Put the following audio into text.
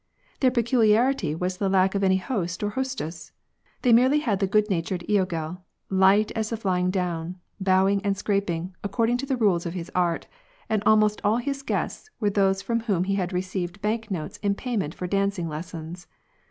• Their peculiarity was the lack of any host or hostess ;— they t\ merely had the good natured logel, light as flying down, bow ei ing and scraping, according to the rules of his art ; and almost all of his guests were those from whom he had received bank gt notes in payment for dancing lessons.